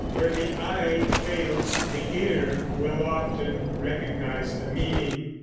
Where the eye fails, the ear will often recognize the meaning.